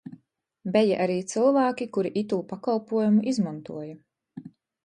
Beja ari cylvāki, kuri itū pakolpuojumu izmontuoja.